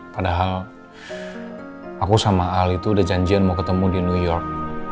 padahal aku sama al itu udah janjian mau ketemu di new york